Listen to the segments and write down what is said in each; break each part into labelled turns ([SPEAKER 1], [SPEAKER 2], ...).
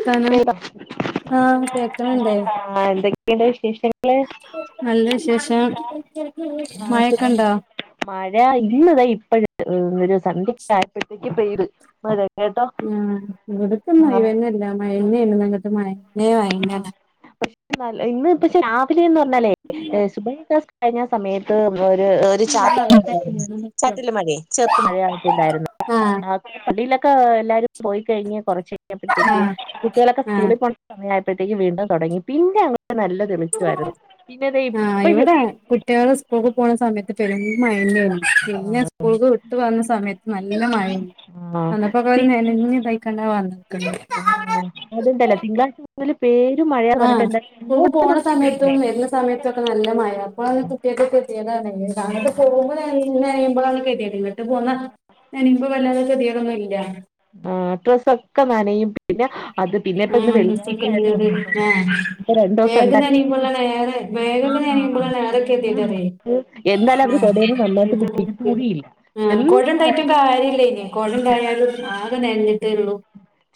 [SPEAKER 1] സ്ഥാനം ആഹ് കേക്കണണ്ടേ
[SPEAKER 2] ആ എന്തൊക്കെണ്ട് വിശേഷം
[SPEAKER 1] നല്ല വിശേഷം മഴക്കെണ്ടോ
[SPEAKER 2] മഴ ഇന്ന് ഇതാ ഇപ്പയ് ട്ട് ഒര് സന്ധ്യ ക്കെ ആയപ്പോഴത്തേക്ക് പെയ്ത് മഴ കേട്ടോ
[SPEAKER 1] ആ ഇവടക്ക് ന്ന് ഒഴിവന്നെല്ല മഴന്നെണ് ഇന്നങ്ങട്ട് മഴ
[SPEAKER 2] ആ പ [inaudible] ഇ ന്ന് പക്ഷെ രാവിലെന്ന് റഞ്ഞാലേ ഏ സുബയ് ക്കെ സ് കഴിഞ്ഞ സമയത്ത് ഒര് ഒര് ചാ [inaudible] ണ്ടായിരുന്നു ചാറ്റൽ മഴേ ച മഴാട്ടിണ്ടായിരുന്നു
[SPEAKER 1] ആഹ്
[SPEAKER 2] പള്ളിയിലൊക്കെ എല്ലാരും പോയി കഴിഞ്ഞ് കുറച്ച് കയിഞ്ഞപ്പ
[SPEAKER 1] ആഹ്
[SPEAKER 2] ത്തേക്ക്കുട്ടികളൊ ക്കെ
[SPEAKER 1] ആഹ്
[SPEAKER 2] സ്കൂളിൽ പോണ സമയ ആഴപ്പത്തേക്ക് വീണ്ടും തൊടങ്ങി പിന്നെ അങ്ങട്ട് നല്ല തെളിച്ചാരുന്നു പിന്നെ തെ ഇപ്പഴ്
[SPEAKER 1] കുട്ടിളെ സ്കൂൾ ക്ക് പോണ സമയത്ത് പെരും മഴന്നെണ് പിന്നെ സ്കൂൾക്ക് വിട്ട് വന്ന സമയത്ത് നല്ല മഴന്നെ
[SPEAKER 2] ആ
[SPEAKER 1] വന്നപ്പോ ഓര് നനഞ്ഞ് ഇതായികാണ്ടാ വന്ന് ക്ണേ
[SPEAKER 2] ആഹ് അത്ണ്ടല്ലോ തിങ്കാഴ്ച്ചമുതല് പേരും മഴയാ പറഞ്ഞിട്ട് എന്തായാലും ഇങ്ങോട്ട് നോ [inaudible] ഇല്ലാട്ടോ
[SPEAKER 1] ആ സമയത്തൊക്കെ നല്ല മഴ അപ്പോഴാണ് കുട്ട്യോക്ക് കതിയേട് ആണേ അങ്ങട്ട് പോകുമ്പോ നന നനയുമ്പോഴാണ് കതിയേട് ഇങ്ങട്ട് പോന്ന നനിമ്പോ വല്ലാതെ കതിയേട്ന്നും ല്ല
[SPEAKER 2] ആ ഡ്രെസൊക്കെ നനയും പിന്ന അത് പിന്നെ ഇപ്പം ഇന്ന്
[SPEAKER 1] ആഹ്
[SPEAKER 2] വെള്ളിയാഴ്ച
[SPEAKER 1] ഡ്രസ്സൊക്കെ
[SPEAKER 2] ആയേ ണ്ട്
[SPEAKER 1] നനഞ്ഞത്
[SPEAKER 2] കൊഴപ്പല്ല
[SPEAKER 1] ആഹ്
[SPEAKER 2] ഇപ്പൊ
[SPEAKER 1] ബാഗ്
[SPEAKER 2] രണ്ടൂസംണ്ടല്ലേ
[SPEAKER 1] നനയുമ്പോളാണ് ഏറെ
[SPEAKER 2] ആ
[SPEAKER 1] ബാഗൊക്കെ നനയുമ്പോളാണ് ഏറെ
[SPEAKER 2] ബേഗ്
[SPEAKER 1] കെതിയേട് അറിയേ
[SPEAKER 2] ബുക്ക് എന്തായാലും അവര് കൊടെന്നും നന്നായിട്ട് പിടിപ്പിക്കത്തു കൂടിയില്ല
[SPEAKER 1] ആ കുട ണ്ടായിട്ടും കാര്യല്ല ഇനി കുട ണ്ടായാലും ആകെ നഞ്ഞിട്ടേ രള്ളൂ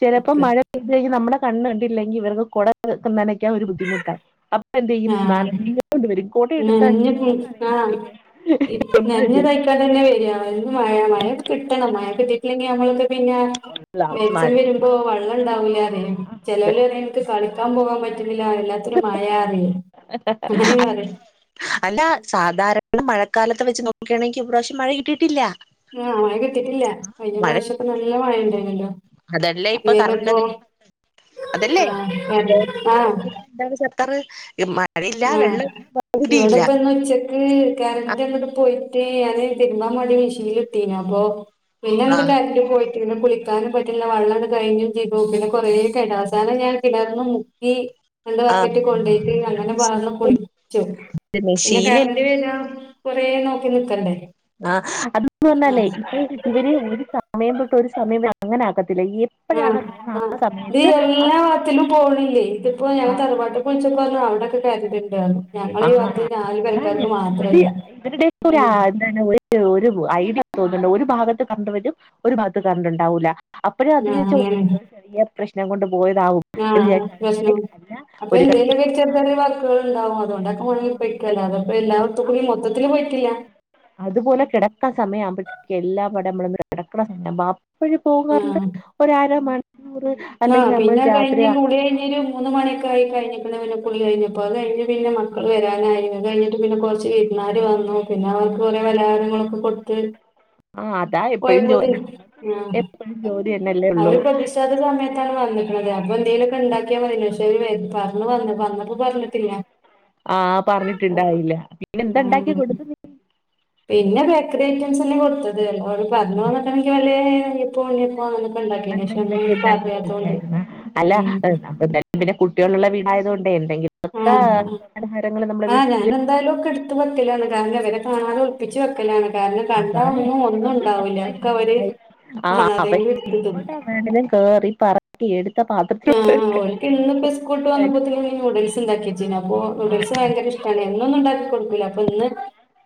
[SPEAKER 2] ചിലപ്പോ മഴ പെയ്ത് കയിഞ്ഞ് നമ്മുടെ കണ്ണ് കണ്ടില്ലെങ്കി ഇവർക്ക് കുട നനക്കാൻ ഒരു ബുദ്ധിമുട്ടാ അ എന്തെയ്യും
[SPEAKER 1] ആഹ്
[SPEAKER 2] നനഞ്ഞൊണ്ട് വെരികോട്ട് ഇട്ടിട്ടാ
[SPEAKER 1] നനഞ്ഞ
[SPEAKER 2] ഞാനവിടെ നനയാണ്ടിരി ഹ് എന്നാ ഇത്.
[SPEAKER 1] ഇടെ അതന്നെ വരാഓൽക്ക് മഴ മഴൊക്കെ കിട്ടണം മഴ കിട്ടിട്ടില്ലെങ്കി നമ്മളൊക്കെ പിന്നെ വെര് സം വരുമ്പോ
[SPEAKER 2] മഴ
[SPEAKER 1] വള്ളം ണ്ടാവൂലാ റിലേ ചെലോലറിം ഇൻക് കളിക്കാൻ പോകാൻ പ ര്ഞ്ഞ്ല്ലാ വല്ലാത്തൊരു മഴാ റിം
[SPEAKER 2] [unintelligible] അല്ല സാധാരണ മഴക്കാലത്തെ വെച്ച് നോക്കുകണെങ്കിഇപ്രാവശ്യം മഴ കിട്ടിട്ടില്ല.
[SPEAKER 1] ആ മഴ കിട്ടിട്ടില്ല കഴിഞ്ഞ പ്രാവശ്യക്കെ നല്ല മഴ ഇണ്ടായിനിയല്ലോ
[SPEAKER 2] അതല്ലേ ഇപ്പൊ കറണ്ട് അതല്ലേ
[SPEAKER 1] ആഹ്
[SPEAKER 2] ലോഡ്
[SPEAKER 1] ആഹ്
[SPEAKER 2] ഷെഡ്ഡിങ്
[SPEAKER 1] ആഹ്
[SPEAKER 2] ആക്കിയത് എന്താണ് സർക്കാറ് ഈ മഴയില്ല വെള്ള ല്ല പ [unintelligible] തിയില്ല
[SPEAKER 1] ഈ കറന്റ് അങ്ങട്ട് പോയിട്ടേ ഞാന് തിര്മ്പാമാണ്ടി മിഷീല്ട്ടീയ്നി അപ്പൊ പിന്നെങ്ങട്ട് കരണ്ടും പോയിട്ട് പിന്നെ കുളിക്കാനും പറ്റ്ല്ല വള്ളണ്ട് കഴിഞ്ഞും ചെയ്തു പിന്നെ കൊറെ കെടാ അവസാനം ഞാൻ കിണർന്ന് മുക്കി രണ്ട്
[SPEAKER 2] ആ
[SPEAKER 1] ബക്കറ്റ് കൊണ്ടോയ്ട്ട് അ
[SPEAKER 2] അത്
[SPEAKER 1] ങ്ങനെ പാർന്ന്
[SPEAKER 2] ശീലം
[SPEAKER 1] കുളി ച്ചു പിന്നെ
[SPEAKER 2] ശീലം
[SPEAKER 1] കരണ്ട് വരോ കൊറേ നോക്കി നിക്കണ്ടെ
[SPEAKER 2] ആഹ് അതന്ന് പറഞ്ഞാലേ ഇപ്പ ഇവര് ഒരു സമയം തൊട്ട് ഒരു സമയം വരെ അങ്ങനെ ആക്കത്തില്ല ഈ
[SPEAKER 1] ആഹ ആഹ നീ എല്ലാ വത്തിലും പോണില്ലേ ഇതിപ്പോ ഞാൻ
[SPEAKER 2] ആ
[SPEAKER 1] തറവാട്ട് ൾച്ചപ്പാർഞ്ഞു അവിടൊക്കെ കരന്റ്ണ്ടാർ ഞ്ഞു
[SPEAKER 2] ആ
[SPEAKER 1] ഞങ്ങളീ വാത്ത് നാല്
[SPEAKER 2] അതാണ്
[SPEAKER 1] പെരക്കാർക്ക്
[SPEAKER 2] ഇത്
[SPEAKER 1] മാത്രല്ല
[SPEAKER 2] ഇവരുടെ ഒരു
[SPEAKER 1] ഉം.
[SPEAKER 2] എന്താണ് ഒരു ഒരു ഐഡിയ തോന്നുന്നുണ്ട് ഒരു ഭാഗത്ത് കറണ്ട് വരും ഒരു ഭാഗത്ത് കരണ്ട്ണ്ടാവൂല അപ്പയേ
[SPEAKER 1] ആഹ്
[SPEAKER 2] അത്വ്ച്ച
[SPEAKER 1] അങ്ങനെണ്ട്
[SPEAKER 2] ചെറിയ പ്രശ്നം കൊണ്ട് പോയതാവും എന്ന് വിചാരിച്ചതാവും അങ്ങനെ അല്ല.
[SPEAKER 1] അപ്പോ എന്തേലൊക്കെ ഒരു ചെറ് ചെറിയ വാക്ക് ഉണ്ടാവും അതുകൊണ്ടാക്കും മാണീ അപ്പൊ
[SPEAKER 2] ആ, ആ, ആ,
[SPEAKER 1] എല്ലാവർത്തുംക്കൂടീം മൊത്തത്തില് പോയിട്ടില്ല
[SPEAKER 2] അതുപോലെ കിടക്കാൻ സമയാവുമ്പോയ്‌ത്തേക്കും എല്ലാ വടമ്മളൊന്ന് കടക്കിണ സമയം വാ എപ്പയും പോവും കറണ്ട് ഒരാര മണിക്കൂർ
[SPEAKER 1] ആ
[SPEAKER 2] അല്ലെങ്കിൽ നമ്മൾ
[SPEAKER 1] പിന്നെ
[SPEAKER 2] രാത്രി
[SPEAKER 1] കഴിഞ്ഞ്
[SPEAKER 2] ആ
[SPEAKER 1] കുളികഴിഞ്ഞ് ഒരു മൂന്ന് മണിക്കെ ക കഴിഞ്ഞ്ക്ക്ണ് പിന്നെ കുളിഴിഞ്ഞപ്പോ അത് കഴിഞ്ഞ് പിന്നെ മക്കൾ വരാനായിരുന്നു അത് കഴിഞ്ഞിട്ട് പിന്നെ കുറച്ച് വിര്ന്നാര് വന്നു പിന്നെ അവർക്ക് കുറേ പലാഹാരങ്ങളൊക്കെ കൊടുത്ത് പോയപ്പോതീൻ ആ
[SPEAKER 2] ഫുൾജോലിയന്നെല്ലേ
[SPEAKER 1] അവരെ പ്രതീഷ് ല്ലാത്ത സമയത്താണ് വന്ന്ക്ക്ണത് അപ്പോ എന്തേലൊക്കെണ്ടാക്കിയാ മതിനി പക്ഷേ ഓലു വര പറഞ്ഞ വന്നപ്പോ പറഞ്ഞിട്ടില്ല
[SPEAKER 2] ആഹ പറഞ്ഞിട്ടുണ്ടായില്ല പിന്നെ എന്ത
[SPEAKER 1] ഉം
[SPEAKER 2] ഉണ്ടാക്കി കൊടുത്ത് നീ
[SPEAKER 1] പിന്നെ ബേക്കറി ഐറ്റംസ് തന്നെ കൊടുത്തത് എല്ലാ പറഞ്ഞ് വന്നക്കാണെങ്കിൽ വല്ലേ നെയ്യപ്പോ ഉണ്ണിയപ്പേ അങ്ങനൊക്കെ ഉണ്ടാക്കേനീ പക്ഷെ ഉം
[SPEAKER 2] എന്തെങ്കിലുമൊക്കെ ഉണ്ടാക്കി
[SPEAKER 1] പറയാത്തോണ്ടെ,
[SPEAKER 2] കഴിക്കായിരുന്നു അല്ല നമുക്ക് എന്തായാലും പിന്നെ കുട്ടികളുള്ള വീടായതുകൊണ്ടെ എന്തെങ്കിലും
[SPEAKER 1] ആഹ ആ ആഹ് ആഹ്
[SPEAKER 2] വീട്ടിൽ
[SPEAKER 1] ഞാനെന്തായാലൊക്കെ എട്‌ ട്ത്ത് വെക്കലാണ് കാരണം ഇവരെ കാണാതെ ഒളിപ്പിച്ച് വെക്കലാണ് കാരണം കണ്ടാ
[SPEAKER 2] അതാണ്
[SPEAKER 1] ഒന്നും ഒന്നും
[SPEAKER 2] ഇവർക്ക്
[SPEAKER 1] ഉണ്ടാവൂല
[SPEAKER 2] എപ്പോഴും
[SPEAKER 1] ഒക്കെ ഇവര് കാണാതെങ്കിലും ഇട്ത്ത് തിന്നും
[SPEAKER 2] ും കേറി പറ ഇ എടുത്ത പാത്ര
[SPEAKER 1] ആഹ ഹാ ഓൽക്ക്ന്ന്‌പ്പോ സ്കൂൾട്ട് വന്നപ്പോത്തിന് നൂഡിൽസ് ഉണ്ടാക്കി ച്ചിനാപ്പോ നൂഡിൽസ് ഭയങ്കര ഇഷ്ടാണ് എന്നൊന്നുംണ്ടാക്കി കൊടുക്കൂല അപ്പൊ ഇന്ന്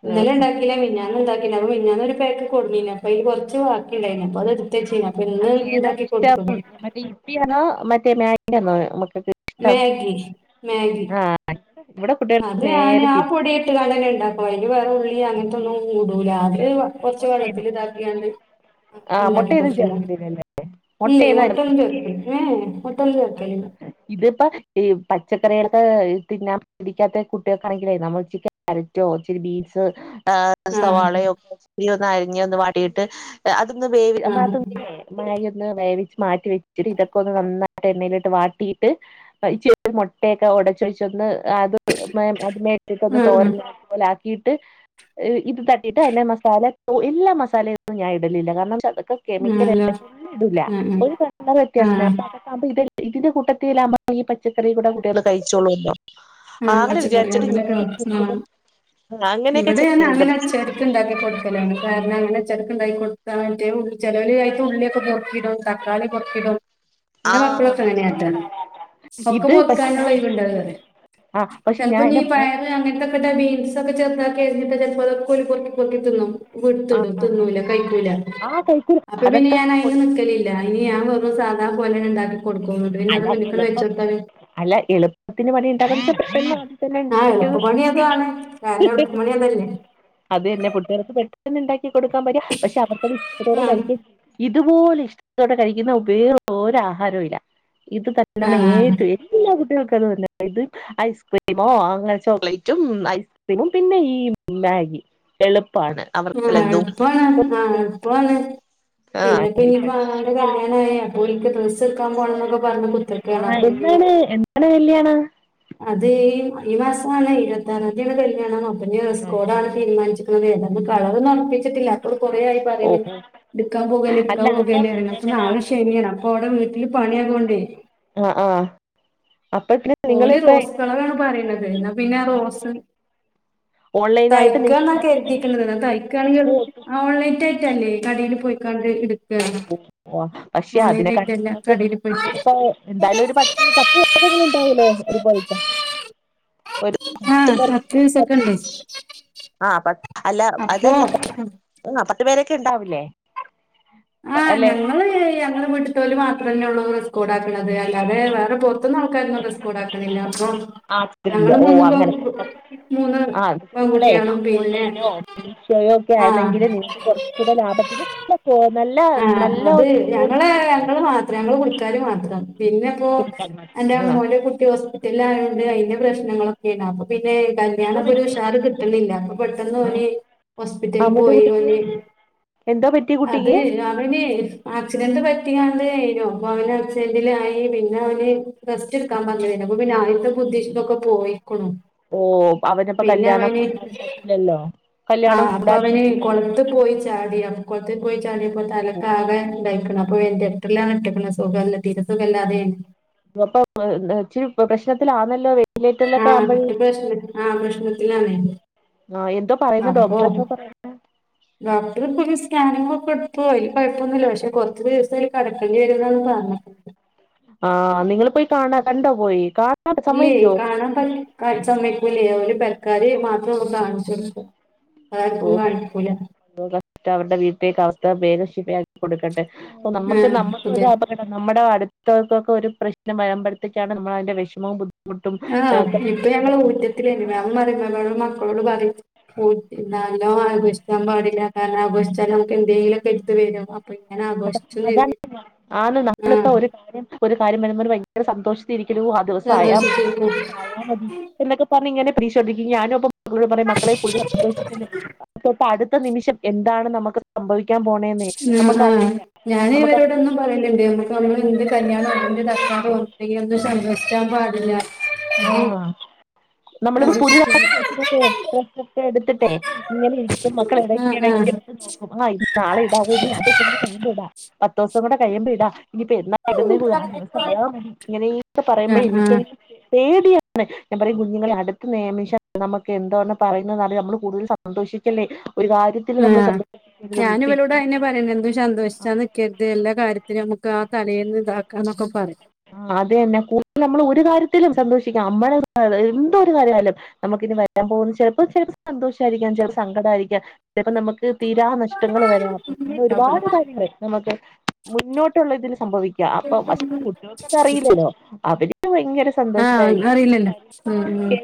[SPEAKER 1] ഇന്നലെ ഇണ്ടാക്കീല മിഞ്ഞാന്നും ഇണ്ടാക്കീല അപ്പോ മിഞ്ഞാന്നൊരു പേക്ക് കൊട്ന്നീന് അപ്പയ്ല് കുറച്ച് വാക്കി ഇണ്ടയ്നി അപ്പൊ അത് ഇട്ത്തെച്ചീനി അപ്പൊ ഇന്ന് ഇണ്ടാക്കി കൊടുത്തു ഞാൻ
[SPEAKER 2] യിപ്പിയാണോ മറ്റേ മേഗിയാന്നോ മക്കക്ക്
[SPEAKER 1] മാഗി മാഗി
[SPEAKER 2] ഇവിടെ കുട്ടികൾക്ക്
[SPEAKER 1] അത് ഞാന്
[SPEAKER 2] നേരെ
[SPEAKER 1] ആ
[SPEAKER 2] തിരിച്ച്
[SPEAKER 1] പൊടി ഇട്ട് കാണ്ടന്നെ ഇണ്ടാക്കണ് അയ്ൽ വേറെ ഉള്ളി അങ്ങനത്തൊന്നും ഇടൂല അത് കൊറച്ച്‌വെള്ളത്തിൽ ഇതാക്ക്യാണ്ട്
[SPEAKER 2] ആ
[SPEAKER 1] അങ്ങട്ട് ഇണ്ടാക്കി
[SPEAKER 2] മുട്ടയൊന്നും
[SPEAKER 1] കൊട്ക്കലാണ്
[SPEAKER 2] ചേർക്കലില്ലല്ലേ
[SPEAKER 1] ഇല്ലയ്
[SPEAKER 2] മുട്ടയൊന്നും
[SPEAKER 1] ഹോട്ടൽ ഹേ ഹേ ഹോട്ടൽ കൈക്കലി ഇല്ല
[SPEAKER 2] ഇതിപ്പ ഈ പച്ചക്കറിയൊക്കെ തിന്നാൻ പിടിക്കാത്ത കുട്ടിൾക്കാണെങ്കിലെ നമ്മൾ ഉച്ചക്ക് കാരറ്റൊ ഇച്ചിരി ബീൻസ് ആ
[SPEAKER 1] ആഹ്
[SPEAKER 2] സവാളയൊ [unintelligible] അരിഞ്ഞൊന്ന് വാട്ടിയിട്ട് അതൊന്ന് വേവി
[SPEAKER 1] ആഹ്
[SPEAKER 2] [unintelligible] മാഗ്ഗി ഒന്ന് വേവിച്ച് മാറ്റി വെച്ചിട്ട് ഇതൊക്കൊന്ന് നന്നാ യിട്ട് എണ്ണയിലിട്ട് വാട്ടിട്ട് ഇച്ചി ഒരു മൊട്ടയൊക്കെ ഒടച്ചൊഴിച്ചൊന്ന് അത് [unintelligible] അത് മേറ്റിട്ടൊന്ന്
[SPEAKER 1] ആഹ്
[SPEAKER 2] തോരൻ പോൽ ആക്കിട്ട് ഇത് തട്ടിട്ട് അയിൻ്റെ മസാല എല്ലാ മസാലൊന്നും ഞാനിടലില്ല കാരണം എന്നച്ച അതൊക്കെ കെമിക്കല
[SPEAKER 1] ആണല്ലോ
[SPEAKER 2] ഒന്നിടൂല
[SPEAKER 1] ആഹ്
[SPEAKER 2] ഒരു [unintelligible] വ്യത്യാസത്തിന്
[SPEAKER 1] ആഹ്
[SPEAKER 2] അപ്പൊ അത് അപ്പത് ഇത് ഇതിന്റെ കൂട്ടത്തിലാവബം ഈ പച്ചക്കറി കൂടെ കുട്ടികള് കഴിച്ചോളോല്ലോ
[SPEAKER 1] ആ പച്ചക്കറി അങ്ങനെയക്കെ ആ
[SPEAKER 2] അങ്ങനെയൊക്കെ
[SPEAKER 1] ഇവിടെയാന്നെ
[SPEAKER 2] ചെയ്യലുണ്ട്
[SPEAKER 1] അങ്ങനെയാ
[SPEAKER 2] പക്ഷെ
[SPEAKER 1] ചെർ ഇണ്ടാക്കി കൊടുക്കലാണ്. കാരണം അങ്ങനെ ചെലർക്ക് ഇണ്ടാക്കി കൊടുത്ത ചെലവര് അയ്തെ ഉള്ളി ഒക്കെ പൊർക്കി ഇടും തക്കാളി കൊർക്കിടും
[SPEAKER 2] ആ
[SPEAKER 1] എന്റെ മക്കളും ഒക്കെ അങ്ങനെ കാട്ട. ഒക്കെ
[SPEAKER 2] ഇത് പക്ഷെ
[SPEAKER 1] പൊർക്കാനെള്ള
[SPEAKER 2] ഞാൻ
[SPEAKER 1] ഒയിവ്ണ്ടാവ പറയാ
[SPEAKER 2] ആ പക്ഷെ
[SPEAKER 1] ചെലപ്പ
[SPEAKER 2] ഞാൻ
[SPEAKER 1] ഇനി
[SPEAKER 2] എന്റെ മോ
[SPEAKER 1] പയറ് അങ്ങനത്ത ബീൻസക്കെ ചെർതാക്കി അരിഞ്ഞിട്ട് അതൊക്കെ ഓല് പൊർക്കി പൊർക്കി തിന്നും
[SPEAKER 2] ആ
[SPEAKER 1] [unintelligible] തിന്നൂല കഴിക്കൂല
[SPEAKER 2] ആ കഴിക്കൂല
[SPEAKER 1] അപ്പ പിന്നെ
[SPEAKER 2] അതൊക്കെ
[SPEAKER 1] ഞാൻ അയിന്
[SPEAKER 2] കൊടു
[SPEAKER 1] നിക്കല് - ഇല്ല ഇനി ഞാനൊരു സാധാ പോലെന്നെണ്ടാക്കി കൊടുക്കും പിന്നത്
[SPEAKER 2] അല്ല
[SPEAKER 1] മുന്നിക്കട്
[SPEAKER 2] എളുപ്പം
[SPEAKER 1] വെച്ചോട്ത്താല്
[SPEAKER 2] അല്ല എളുപ്പത്തിന് പണിയിണ്ടാ [unintelligible]
[SPEAKER 1] ആ എളുപ്പ പണി അതാണ് കാരണം [unintelligible]
[SPEAKER 2] അതന്നെ പുട്ടികൾക്ക് പെട്ടെന്ന് ഇണ്ടാക്കി കൊടുക്കാൻ പറ്റിയ പക്ഷെ അവർക്കത് ഇഷ്ടത്തോടെ
[SPEAKER 1] ഉം
[SPEAKER 2] കഴിക്ക ഇതുപോലെ ഇഷ്ടത്തോടെ കഴിക്കുന്ന വേറൊരു ആഹാരവുല്ല ഇത്
[SPEAKER 1] ആ
[SPEAKER 2] തന്നാണ് ഏറ്റവും എല്ലാ കുട്ടികൾക്കത് തന്ന ഇത് ഐസ്ക്രീമോ അങ്ങനെ ചോക്ലേറ്റും ഐസ്ക്രീമും പിന്നെ ഈ മാഗി എളുപ്പാണ്
[SPEAKER 1] ആ
[SPEAKER 2] അവർക്കല്ല ദോശ
[SPEAKER 1] എൾപ്പാണ് ആ എൾപ്പാണ്
[SPEAKER 2] ആഹ്
[SPEAKER 1] പിന്നെപ്പിന്നിപ്പ ആ കല്യാണയ അപ്പോഓൽക്ക് ഡ്രസ് സ്സെട്ക്കാപോണന്നക്ക പറഞ്ഞ് കുത്ത്ർക്കാണ്
[SPEAKER 2] ആഹ്
[SPEAKER 1] അപ്പ ഇനി
[SPEAKER 2] എന്താണ് എന്താണ് കല്യാണം
[SPEAKER 1] അത് ഈ ഈ മാസാണ് ഇരുപത്തറാംന്തിയാണ കല്ലിയാണം അപ്പ ഇഞ്ഞ് ഡ്രസ് കോടാണ് തീരുമാനിച്ചിക്കണ ഏതാ അത് കളറ [unintelligible] [unintelligible] അവര് കൊറേയായി
[SPEAKER 2] ഓ
[SPEAKER 1] പറയുന്നു എട്ക്കാൻ പോകല്ലേ എടുക്കാൻ
[SPEAKER 2] അല്ല അതല്ല
[SPEAKER 1] പോകല്ല അപ്പ നാളെ നി ശനിയാ അപ്പോടെ വീട്ടില് പണിയാത് കൊണ്ടേ
[SPEAKER 2] ആഹ് ആഹ് അപ്പ പി
[SPEAKER 1] ഓല് റോസ് കളറാണ് പറയണത് എന്നാപ്പിന്നെ അ റോസ്
[SPEAKER 2] ഓൺലൈനായിട്ട് നിങ്ങൾ
[SPEAKER 1] തയ്ക്കാന്ന കരതിക്കണത് തയ്ക്കുകയാണെങ്കി ആ ഓൺലൈൻറ്റ് റ്റല്ലേ കടയില് പോയിക്കാണ്ട് എട്
[SPEAKER 2] ഓ ഓ പക്ഷെ അതിനെക്കാട്ടി
[SPEAKER 1] ആയിട്ടല്ല
[SPEAKER 2] നിങ്ങൾക്ക്
[SPEAKER 1] കടയിൽ പോയിട്ട്
[SPEAKER 2] നിങ്ങളിപ്പ എന്തായാലൊരു പത്ത് പത്ത് [unintelligible] ഉണ്ടാവൂലെ ഒരുപായിട്ട്
[SPEAKER 1] ആ
[SPEAKER 2] പേർക്ക്
[SPEAKER 1] പത്തിസെക്കെണ്ട്
[SPEAKER 2] ആ പത്ത് അല്ല അതല്ല ആ പത്തു പേരക്കെണ്ടാവില്ലേ
[SPEAKER 1] ആ ഞങ്ങ അങ്ങനെ ഞങ്ങള് വീട്ടിത്തോല് മാത്രേന്നേ ഉള്ളൂ റെസ്കൊടാക്കണത് അല്ലാതെ വേറെ പോർതിന്ന് ആൾക്കാര ഡ്രസ്കോടാ ക്ക്ണില്ല അപ്പൊ
[SPEAKER 2] ആഹ്
[SPEAKER 1] ഞങ്ങള്
[SPEAKER 2] ഓ
[SPEAKER 1] മൂന്ന് പെ
[SPEAKER 2] അങ്ങനെ
[SPEAKER 1] [unintelligible] മൂന്ന് ആൺകുട്ടികളും പിന്നെ
[SPEAKER 2] [unintelligible] ആയിരുന്നെങ്കില് [unintelligible] കൊറച്ചൂടെ ലാഭത്തില്
[SPEAKER 1] ആഹ് അത് ഞങ്ങള്
[SPEAKER 2] കിട്ടും കേട്ടോ
[SPEAKER 1] ഞങ്ങള് മാത്രം ഞങ്ങള് കുടിക്കാര് മാത്രം പിന്നെപ്പോ
[SPEAKER 2] കുട്ടിക്കാൻ
[SPEAKER 1] എന്റെ
[SPEAKER 2] ആ
[SPEAKER 1] അമ്മോൻ്റെ കുട്ടി ഹോസ്പിറ്റലായോണ്ട് അയിന്റെ പ്രശ്നങ്ങളൊക്കെണ്ടായിരുന്നു പിന്നെ
[SPEAKER 2] എന്തോ
[SPEAKER 1] കല്യാണിപ്പോരു
[SPEAKER 2] പറ്റി
[SPEAKER 1] ഉഷാർ കിട്ടണില്ല അപ്പൊ പെട്ടെന്ന്
[SPEAKER 2] ആ
[SPEAKER 1] ഓന് ഹോസ്പിറ്റലിൽ പോയി ഓന്
[SPEAKER 2] എന്താ പറ്റി കുട്ടി
[SPEAKER 1] അത് അവന് ആക്സിഡന്റ് പറ്റിയാണ്ട് [unintelligible] പിന്നെ അവന് റെസ്റ്റെടുക്കാൻ പറഞ്ഞത എന്നപ്പ പിന്നൊയിത്തെ ബുദ്ധിന്നൊക്കെ പോയിക്ക് ണു
[SPEAKER 2] ഓ അവനിപ്പോൾ
[SPEAKER 1] പിന്നെ
[SPEAKER 2] കല്യാണം
[SPEAKER 1] അവന്
[SPEAKER 2] കൂടാനും പറ്റില്ലല്ലോ കല്യാണം
[SPEAKER 1] ആഹ് അപ്പ
[SPEAKER 2] കൂടാനും
[SPEAKER 1] അവന് കൊ
[SPEAKER 2] പറ്റില്ലല്ലോ
[SPEAKER 1] കൊ പോയി ചാടി കൊത്ത പോയി ചാടപ്പോ തലക്ക് ആകെ ഉണ്ടായിക്കണ് അപ്പൊ വേം ിട്ടപ്പ സുഖംല്ല തീരസുഖമല്ലാതെയാണ്
[SPEAKER 2] പ്പ ഇച്ചിരി പ്രശ്നത്തിലാണല്ലോ വെന്റിലേറ്ററിലൊക്കെ
[SPEAKER 1] ആഹ്
[SPEAKER 2] ആകുമ്പോൾ
[SPEAKER 1] പ്രശ്ന ആഹ് പ്രശ്നത്തിലാണെ
[SPEAKER 2] ആഹ് എന്തോ പറയുന്ന ഡോക്ടർോ പറയണ്ട്
[SPEAKER 1] ഡോക്ടർ ഇ സ്കാനി ഒക്കെ എടുത്ത അതില് കുഴപ്പൊന്നുമില്ല പക്ഷെ കൊറച്ച് ദിവസം ഒരു കടക്കേണ്ടി വരുന്നാണ് പർഞ്ഞെ
[SPEAKER 2] ആ നിങ്ങള് പോയി കാണ കണ്ടാ പോയി കാ
[SPEAKER 1] ഇല്ല കാണൻ പറ്റ സമയക്കില്ലേര് പെരക്കാര് മാത്ര കാണിച്ചു കൊടുക്ക ആർക്കും
[SPEAKER 2] ഓ
[SPEAKER 1] കാണിക്കൂല
[SPEAKER 2] അവരുടെ വീട്ടിലേക്ക് അവസ്ഥ വേഗം ശിഫയാക്കി കൊടുക്കട്ടെ അപ്പൊ നമ്മക്ക്
[SPEAKER 1] ആഹ്
[SPEAKER 2] നമ്മക്കു
[SPEAKER 1] അതെ
[SPEAKER 2] ഒരു നമ്മുടെ അടുത്തവർക്കൊക്കെ ഒരു പ്രശ്നം വയമ്പടുത്തത്തിക്കാണ് നമ്മൾ അതിന്റെ വിഷമവും ബു
[SPEAKER 1] ആഹ് ഇപ്പൊ ഞങ്ങള്
[SPEAKER 2] മുട്ടുംമനസിലക്കണം
[SPEAKER 1] [inaudible] [unintelligible] ന്നാലോ ആഘോഷിക്കാൻ പാടില്ല കാരണം ആഘോഷിച്ചാൽ നമുക്ക് എന്തെങ്കിലുംക്കെ എടുത്ത് വരും ഇങ്ങനെ ആഘോഷിച്ചും ചെയ്ത്
[SPEAKER 2] [inaudible] ആന്ന് നമ്മളിപ്പോ
[SPEAKER 1] ആഹ്
[SPEAKER 2] ഒരു കാര്യം ഒരു കാര്യം വരുമ്പോ ഒരു ഭയങ്കര സന്തോഷത്തിരിക്കലു ആ ദിവസയാ
[SPEAKER 1] സന്തോഷിച്ചിരിക്കും
[SPEAKER 2] [inaudible] ആ മതി എന്നൊക്കെ പറഞ്ഞിങ്ങനെ പ്രീ [unintelligible] ഞാനുമപ്പം [unintelligible] പറയും മക്കളെ കൂടുതലു സന്തോഷിക്കല്ലെ തൊട്ടടുത്ത നിമിഷം എന്താണ് നമുക്ക് സംഭവിക്കാൻ പോണ് ന്നെന്നെ
[SPEAKER 1] ആഹ് ആഹ്
[SPEAKER 2] നമുക്കറിയി
[SPEAKER 1] ഞാന് ഇവരോടെന്നും പറയണ്ടെണ്ട് നമുക്ക് നമ്മൾ എന്ത് കല്യാണം എന്ത്‌ [unintelligible] [unintelligible] സന്തോഷിക്കാൻ പാടില്ല്യ
[SPEAKER 2] ആഹ് നമ്മളിപ്പോ പുതിതാ
[SPEAKER 1] സന്തോഷിച്ചിരി
[SPEAKER 2] [unintelligible] എടുത്തിട്ടെ ഇങ്ങനെ ഇരി [unintelligible]
[SPEAKER 1] ആഹ് ആഹ്
[SPEAKER 2] മക്കളെടയ്ക്കെടയ്ക്കെടുത്ത് നോക്കും ആ നാളെ ഇടാ [inaudible] പത്തോസോങ്കൂടെ കയ്യുമ്പോ ഇടാ [inaudible] ഇങ്ങനെക്കെ പറയുമ്പോ
[SPEAKER 1] ആഹ് ആഹ്
[SPEAKER 2] എനിക്കെങ്ങനെ പേടിയാണ് ഞാൻ പറയും കുഞ്ഞുങ്ങളെ അടുത്ത് [unintelligible] കുഞ്ഞുങ്ങളെ അടക്കി നെയമിച്ചാ നമക്ക് എന്തോന്നു പറയുന്നതാല് നമ്മൾ കൂടുതൽ സന്തോഷിക്കല്ലേ ഒരു കാര്യ
[SPEAKER 1] ആഹ് ഞാൻ
[SPEAKER 2] [inaudible]
[SPEAKER 1] [unintelligible] സന്തോഷിച്ചാ നിക്കര്ത് എല്ലാ കാര്യത്തിനും അമുക്ക് ആ തലേന്ന് ഇതാക്കാന്നൊക്കെ പറയാം
[SPEAKER 2] ആ അതെന്നെ കൂടുതൽ നമ്മള് ഒരു കാര്യത്തിലും സന്തോഷിക്കാം അമ്മളെ [unintelligible] എന്തോ ഒരു കാര്യയാലും നമുക്കിനി വരാൻ പോകുന്ന ചിലപ്പോ ചിലപ്പോ സന്തോഷായിരിക്കാം ചിലപ്പ സങ്കട ആയിരിക്കാം ചിലപ്പോ നമുക്ക് തീരാ നഷ് റ്റങ്ങള് വരാപ്പ അങ്ങനെ ഒരുപാട് കാര്യങ്ങള് നമുക്ക് മുന്നോട്ടുള്ള ഇതിന് സംഭവിക്കാം അപ്പൊ [unintelligible] ക്കതറിയില്ലല്ലോ അവര് ഭയങ്കര സന്തോഷ [inaudible]
[SPEAKER 1] ആഹ് അറിയില്ലല്ലോ ഉം ഉം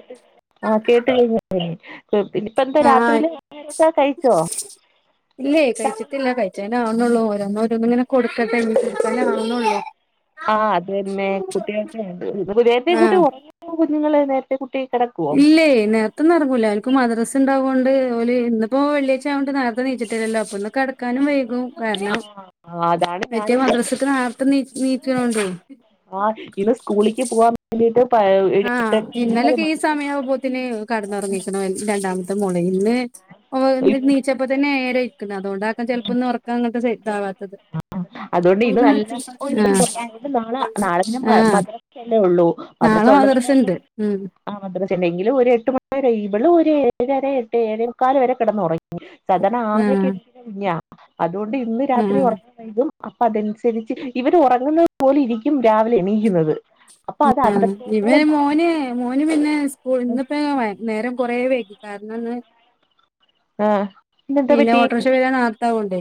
[SPEAKER 2] ആഹ് കേട്ട് കഴിഞ്ഞു [unintelligible] ഇപ്പ എന്താ
[SPEAKER 1] ആഹ്
[SPEAKER 2] രാത്രിയില് [unintelligible] കഴിച്ചോ
[SPEAKER 1] ഇല്ലേ കഴിച്ചിട്ടില്ല കഴിചാനാവനുള്ളൂ ഒരോന്നോരോന്നിങ്ങന കൊടുക്ക [unintelligible]
[SPEAKER 2] ആ അത് തന്നെ കുട്ടികൾക്ക് [unintelligible] നേരത്തെ കുട്ടി
[SPEAKER 1] ആഹ്
[SPEAKER 2] [unintelligible] കുഞ്ഞുങ്ങള് നേരത്തെ കുട്ടി കിടക്കു
[SPEAKER 1] ഇല്ലേ നേർ ത് ന്നെറങ്ങൂല അവർക്ക് മദ്രസ് ഉണ്ടാവുകോണ്ട് ഓല് ഇന്ന്പ്പോ വെള്ളിയാച്ച ആകോണ്ട് നേരത്തെ തിരിച്ചെത്തില് ലോ അപ്ന്ന് കെടത് ക്കാനും വൈകും കാരണം
[SPEAKER 2] ആ അതാണ്
[SPEAKER 1] മറ്റേ
[SPEAKER 2] ഞാനും
[SPEAKER 1] മദ്രസത്തിന് ആർത്ത് നീ നീക്കണോണ്ടേ
[SPEAKER 2] ആ ഇന്ന് സ്കൂളിക്ക് പോകൻ വേണ്ടിട്ട് പ അ ഇ ഈ എട്ടെട്ടേകാല് മണി
[SPEAKER 1] സമയയാവുമ്പോത്തിന് കെടന്നുറങ്ങിക്കണവൻ രണ്ടാമത്തെ മോളെ ഇന്ന് ഓ നീച്ച ഇപ്പ തന്നെ ഏരെ ഇരിക്കുന്നു അതൊണ്ടാക്കൻ ചിലപ്പൊന്ന് ഉറക്കാ അങ്ങനത്തെ സ [unintelligible]
[SPEAKER 2] അതുകൊണ്ട് ഇത് നല്ല [unintelligible] നാളെ നാളെ [unintelligible] മ
[SPEAKER 1] ആഹ്
[SPEAKER 2] [unintelligible] [unintelligible] ഒള്ളൂ
[SPEAKER 1] നാളെ മദ്രസണ്ട് ഉം
[SPEAKER 2] [unintelligible] ആ മദ്രസ [unintelligible] ല്ലെങ്കും ഒരു എട്ട് മണിരെ ഇവളും ഒരു ഏഴര എട്ട് ഏഴേമുക്കാൽ വരെ കിടന്നുറ സാധാരണ ആ
[SPEAKER 1] ആഹ്
[SPEAKER 2] [unintelligible] ഞ്ഞ അതുകൊണ്ട് ഇന്ന് രാത്രി
[SPEAKER 1] ആഹ്
[SPEAKER 2] ഉറങ്ങാ വൈകും അപ്പൊ അതനുസരിച്ച് ഇവര് ഉറങ്ങുന്നത് പോലെ ഇരിക്കും രാവിലെ എണീക്കുന്നത് അപ്പൊ
[SPEAKER 1] മ്
[SPEAKER 2] അത്
[SPEAKER 1] ആ ഇവ
[SPEAKER 2] അത്രത്തോളം
[SPEAKER 1] മോന്
[SPEAKER 2] താമസിക്കും
[SPEAKER 1] മോന് പിന്നെ സ്കൂൾ ഇന്ന്പ്പെ [unintelligible] നേരം കൊറേ വൈകി കാരണംന്ന്
[SPEAKER 2] ആഹ് പിന്നെന്താ
[SPEAKER 1] പിന്നെ
[SPEAKER 2] പറ്റി
[SPEAKER 1] ഓട്ടോറിക്ഷ വരാ നാർത്താവുംണ്ടേ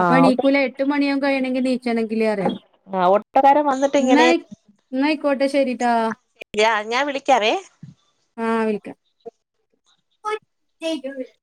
[SPEAKER 1] അപ്പൊ
[SPEAKER 2] ഓട്ട
[SPEAKER 1] എണീകൂല എട്ട് മണിയ കഴിയണെങ്കി നീച്ചണെങ്കിലറിയ
[SPEAKER 2] ആഹ് ഓട്ടോക്കാരൻ വന്നിട്ട്
[SPEAKER 1] ന്നാ
[SPEAKER 2] ഇങ്ങനെ
[SPEAKER 1] ന്നായിക്കോട്ടെ ശരിട്ടാ.
[SPEAKER 2] ഞാൻ വിളിക്കാവേ
[SPEAKER 1] ആ വിളിക്കാം. [inaudible]